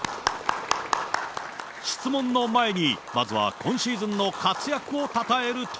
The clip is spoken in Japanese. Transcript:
質問の前に、まずは今シーズンの活躍をたたえると。